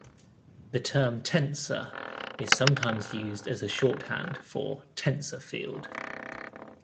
The term "tensor" is sometimes used as a shorthand for "tensor field".